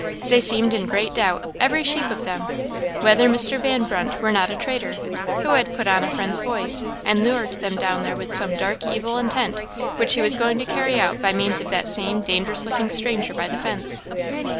They seemed in great doubt, every sheep of them, whether Mr. Van Brunt were not a traitor, who had put on a friend's voice, and lured them down there with some dark evil intent, which he was going to carry out by means of that same dangerous looking stranger by the fence.